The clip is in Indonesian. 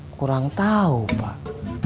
kurang tahu pak